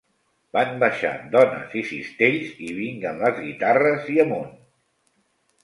Van baixar dones i cistells i vinguen les guitarres i amunt.